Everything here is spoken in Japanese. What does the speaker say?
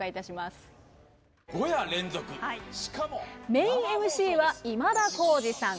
メインＭＣは今田耕司さん。